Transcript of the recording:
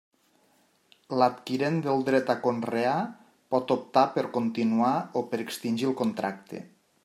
L'adquirent del dret a conrear pot optar per continuar o per extingir el contracte.